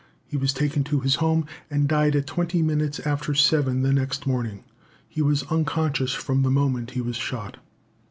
He was taken to his home, and died at twenty minutes after seven the next morning. He was unconscious from the moment he was shot.